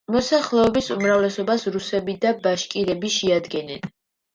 მოსახლეობის უმრავლესობას რუსები და ბაშკირები შეადგენენ.